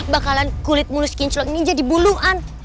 bakalan kulit mulus kinclong ini jadi buluan